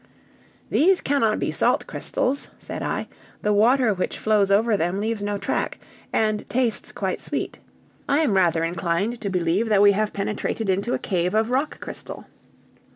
"These cannot be salt crystals," said I; "the water which flows over them leaves no track, and tastes quite sweet. I am rather inclined to believe that we have penetrated into a cave of rock crystal!"